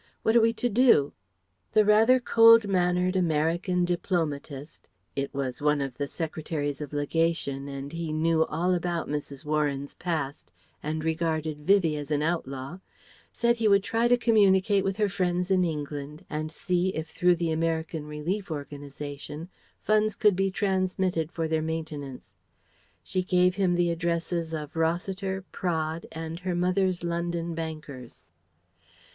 What are we to do?" The rather cold mannered American diplomatist it was one of the Secretaries of Legation and he knew all about Mrs. Warren's past, and regarded Vivie as an outlaw said he would try to communicate with her friends in England and see if through the American Relief organization, funds could be transmitted for their maintenance. She gave him the addresses of Rossiter, Praed, and her mother's London bankers.